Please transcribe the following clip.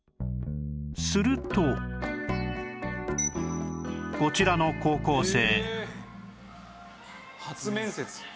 するとこちらの高校生